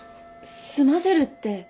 済ませるって？